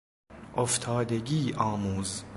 افتادگی آموز...